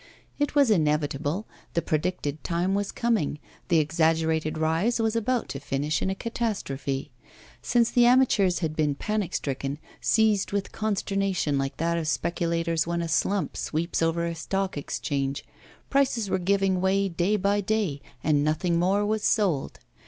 It was inevitable, the predicted time was coming, the exaggerated rise was about to finish in a catastrophe. Since the amateurs had been panic stricken, seized with consternation like that of speculators when a 'slump' sweeps over a Stock Exchange, prices were giving way day by day, and nothing more was sold.